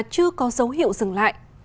chưa có dấu hiệu dừng lại